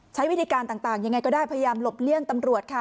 ใช้วิธีการต่างยังไงก็ได้พยายามหลบเลี่ยงตำรวจค่ะ